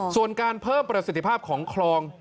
ส่วนการเพิ่มประสิทธิภาพของคลอง